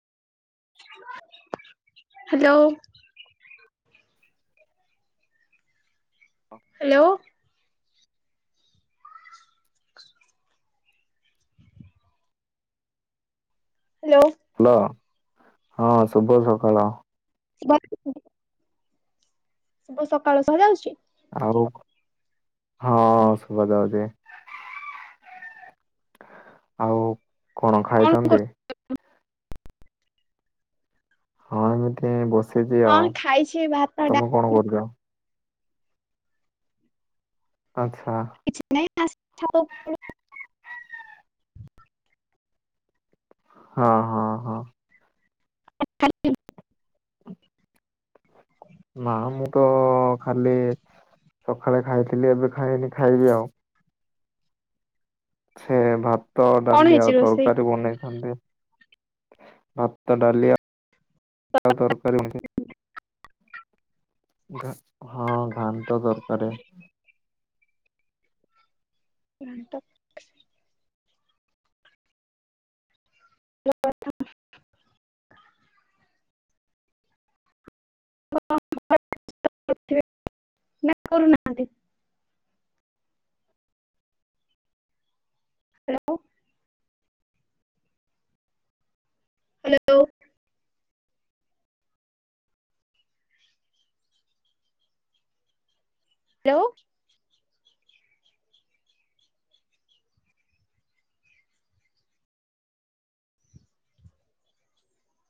Hello. Hello. Hello hello ହଁ ଶୁଭ ସକାଳ। ଶୁଭ ଶୁଭ ସକାଳ ସୁଭା ଯାଉଛି ‌ ଆଉ ହଁ ଶଭା ଜାଉଛି। ଆଉ କଣ ଖାଇଛନ୍ତି। ହଁ ଏମିତି ବସିଛି ଆଉ ହଁ ଖାଇଛି ଭାତ ତମେ ଡାଲି କଣ କରୁଛ। ଆଚ୍ଛା। [unintelligible] ହଁ ହଁ ହଁ। [unintelligible] ନା ମୁଁ ତ ଖାଲି। ସକାଳେ ଖାଇଥିଲି ଏବେ ଖାଇନି ଖାଇବି ଆଉ। ସେ ଭାତ କଣ ଡାଲି ହେଇଛି ଆଉ ରୋଷେଇ? ତରକାରୀ ବନେଇଛନ୍ତି। ଭାତ ଡାଲି ଆଉ ତରକାରୀ। ଘା ହଁ ଘାଣ୍ଟ ତରକାରି। ଘାଣ୍ଟ। [unintelligible] ନା କରୁନାହାନ୍ତି। ହ୍ୟାଲୋ। ହ୍ୟାଲୋ। ହ୍ୟାଲୋ।